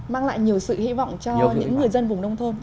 mang lại nhiều sự hy vọng cho những người dân vùng nông thôn